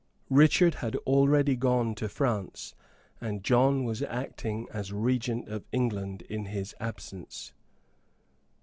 Richard had already gone to France, and John was acting as Regent of England in his absence.